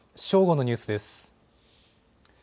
正午のニュースです。